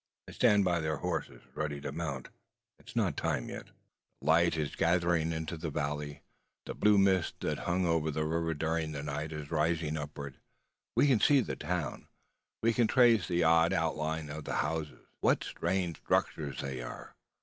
They stand by their horses, ready to mount. It is not yet time. The light is gathering into the valley. The blue mist that hung over the river during the night is rising upward. We can see the town. We can trace the odd outlines of the houses. What strange structures they are!